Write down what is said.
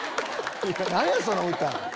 何や⁉その歌。